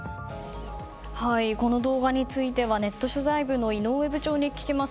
この動画についてはネット取材部の井上部長に聞きます。